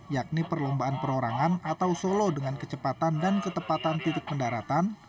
yakni perlombaan perorangan atau solo dengan kecepatan dan ketepatan titik pendaratan